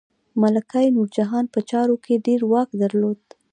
ملکه نورجهان په چارو کې ډیر واک درلود.